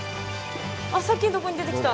あっさっきんとこに出てきた。